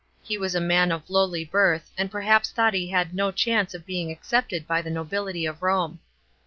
He was a man of lowly birth, and perhnps thought tiiat he had no chance ol being accepted by the nobility of Rome.